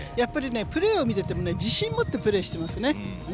プレーを見てても自信を持ってプレーしていますね。